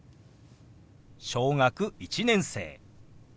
「小学１年生」。